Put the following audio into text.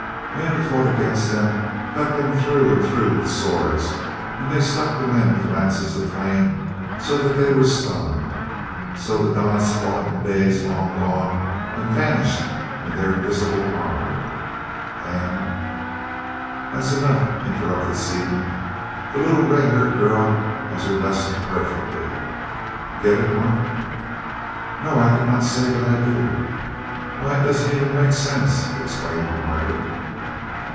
Men who fought against them cut them through and through with swords, and they struck the men with lances of flame so that they were stunned. So the gods fought in days long gone and vanished in their invisible armor, and " "That's enough," interrupted Seaton. "The little red haired girl has her lesson perfectly. Get it, Mart?" "No, I cannot say that I do." "Why, it doesn't even make sense!" exclaimed Margaret.